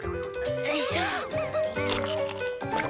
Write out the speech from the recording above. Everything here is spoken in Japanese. よいしょ！